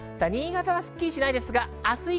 新潟はすっきりしないです。